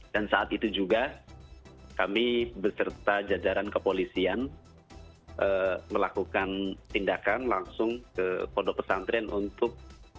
dan saat itu juga kami beserta jadaran kepolisian melakukan tindakan langsung ke pondok pesantren untuk